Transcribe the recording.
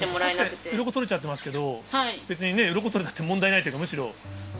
確かにうろこ取れちゃってますけど、別にね、うろこ取れたって問題ないというか、むしろ。